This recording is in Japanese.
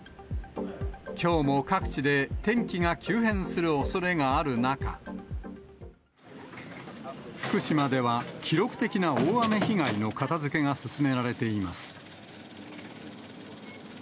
きょうも各地で天気が急変するおそれがある中、福島では記録的な大雨被害の片づけが進められています。